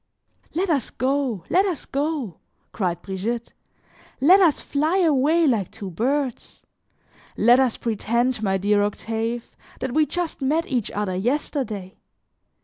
"Let us go, let us go," cried Brigitte, "let us fly away like two birds. Let us pretend, my dear Octave, that we just met each other yesterday.